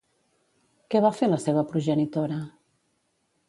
Què va fer la seva progenitora?